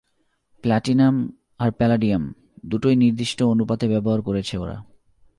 Platinum আর palladium দুটোই নির্দিষ্ট অনুপাতে ব্যবহার করেছে ওরা।